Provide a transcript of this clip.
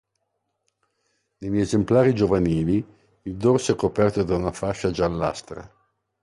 Negli esemplari giovanili il dorso è coperto da una fascia giallastra.